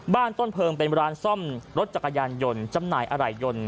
ต้นเพลิงเป็นร้านซ่อมรถจักรยานยนต์จำหน่ายอะไหล่ยนต์